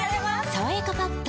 「さわやかパッド」